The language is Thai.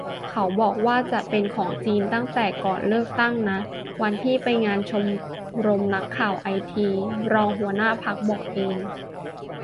เขาบอกว่าจะเป็นของจีนตั้งแต่ก่อนเลือกตั้งนะ วันที่ไปงานชมรมนักข่าวไอที รองหัวหน้าพรรคบอกเอง